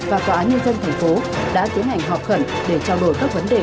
và quả án nhân dân tp hcm đã tiến hành họp khẩn để trao đổi các vấn đề